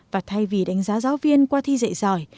và thay vì đánh giá giáo viên qua thi dạy giỏi